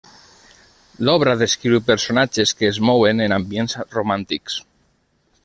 L'obra descriu personatges que es mouen en ambients romàntics.